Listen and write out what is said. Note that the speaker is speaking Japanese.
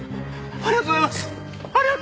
ありがとうございます！